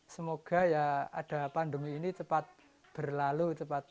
semoga ya ada pandemi ini cepat berlalu